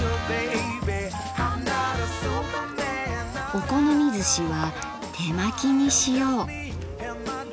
お好みずしは手巻きにしよう。